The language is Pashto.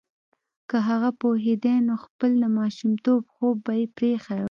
که هغه پوهیدای نو خپل د ماشومتوب خوب به یې پریښی وای